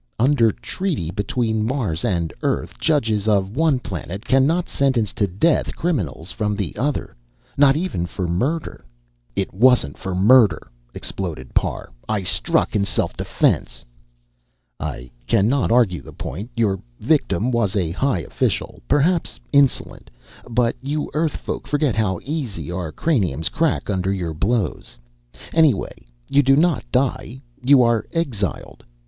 "Underr trreaty between Marrs and Earrth, judgess of one planet cannot ssentence to death crriminalss frrom the otherr, not even forr murrderr " "It wasn't for murder!" exploded Parr. "I struck in self defense!" "I cannot arrgue the point. Yourr victim wass a high official perrhapss inssolent, but you Earrth folk forrget how eassy ourr crraniumss crrack underr yourr blowss. Anyway, you do not die you arre exiled.